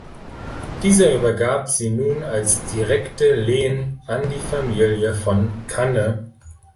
Dieser übergab sie nun als direkte Lehen an die "Familie von Kanne".